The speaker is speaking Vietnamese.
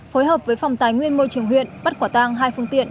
phối hợp với phòng tài nguyên môi trường huyện bắt quả tang hai phương tiện